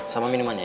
sama minuman ya